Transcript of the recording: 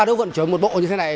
nếu vận chuyển một bộ như thế này